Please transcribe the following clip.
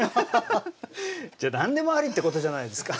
じゃ何でもありってことじゃないですか。